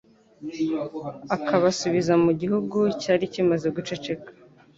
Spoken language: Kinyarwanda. akabasubiza mu gihuru cyari kimaze guceceka